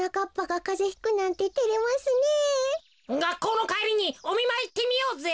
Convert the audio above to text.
がっこうのかえりにおみまいいってみようぜ。